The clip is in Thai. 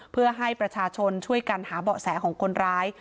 เพื่อให้ประชาชนช่วยกันหาเบาะแสของคนร้าย